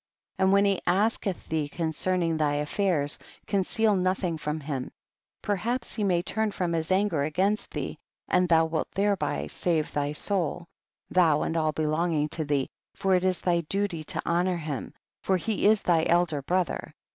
76. And when he asketh thee con cerning thy affairs, conceal notliing from liim, perliaps lie may turn from his anger aijainst thee and thou wilt thereby save thy soul, thou and all belonging to thee, for it is thy duty to honor him, for he is thy elder brother.